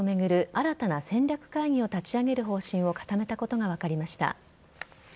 新たな戦略会議を立ち上げる方針を固めたことが分かりました。